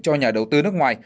cho nhà đầu tư nước ngoài